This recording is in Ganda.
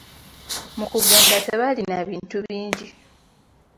Mu kugenda tebaalina bintu bingi.